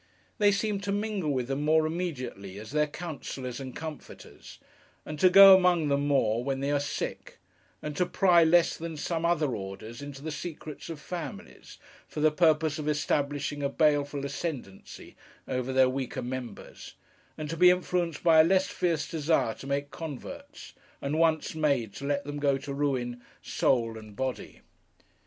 They seem to mingle with them more immediately, as their counsellors and comforters; and to go among them more, when they are sick; and to pry less than some other orders, into the secrets of families, for the purpose of establishing a baleful ascendency over their weaker members; and to be influenced by a less fierce desire to make converts, and once made, to let them go to ruin, soul and body.